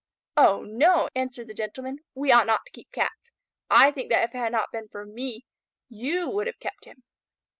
"Oh, no," answered the Gentleman. "We ought not to keep Cats. I think that if it had not been for me you would have kept him."